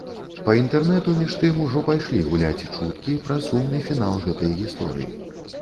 Па інтэрнэту, між тым, ужо пайшлі гуляць чуткі пра сумны фінал гэтай гісторыі.